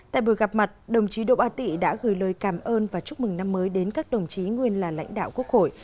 tại buổi gặp mặt đồng chí đỗ bá tị đã gửi lời cảm ơn và chúc mừng năm mới đến các đồng chí nguyên là lãnh đạo quốc hội